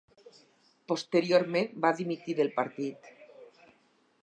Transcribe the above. Posteriorment va dimitir del partit.